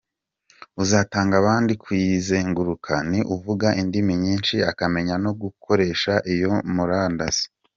Uzatanga abandi kuyizenguruka ni uvuga indimi nyinshi, akamenya no gukoresha iyo murandasi.